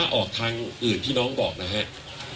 ออกทางอื่นที่น้องบอกนะครับ